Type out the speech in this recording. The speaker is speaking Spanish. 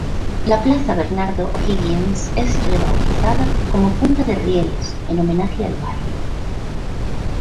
La Plaza Bernardo O´Higgins es rebautizada como Punta de Rieles, en homenaje al barrio.